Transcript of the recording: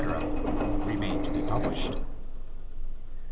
remain to be published.